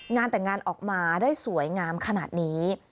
งานแต่งงานออกมาได้สวยงามขนาดนี้